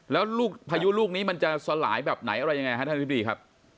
แล้วลูกพายุลูกนี้มันจะสลายแบบไหนอะไรยังไงฮะท่านอธิบดีครับ